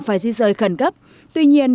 phải di rời khẩn cấp tuy nhiên